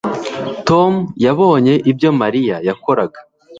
Tom yabonye ibyo Mariya yakoraga